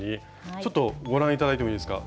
ちょっとご覧頂いてもいいですか。